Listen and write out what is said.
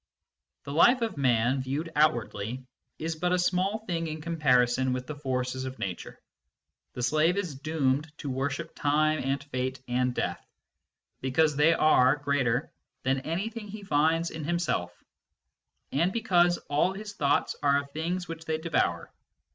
The life of Man, viewed outwardly, is but a small thing in comparison with the forces of Nature. The slave is doomed to worship Time and Fate and Death, because they are greater than anything he finds in him self, and because all his thoughts are of things which they devour.